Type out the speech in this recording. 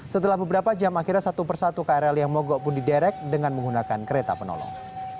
setelah beberapa jam akhirnya satu persatu krl yang mogok pun diderek dengan menggunakan kereta penolong